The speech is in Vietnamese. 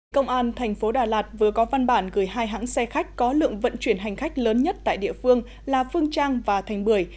công an thành phố đà lạt vừa có văn bản gửi hai hãng xe khách có lượng vận chuyển hành khách lớn nhất tại địa phương là phương trang và thành bưởi